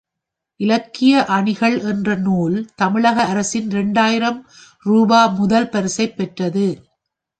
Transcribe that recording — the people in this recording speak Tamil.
இலக்கிய அணிகள் என்ற நூல் தமிழக அரசின் இரண்டாயிரம் உரூபா முதல் பரிசைப் பெற்றது.